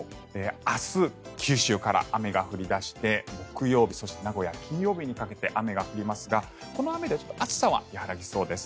明日、九州から雨が降り出して木曜日そして名古屋は金曜日にかけて雨が降りますがこの雨で暑さは和らぎそうです。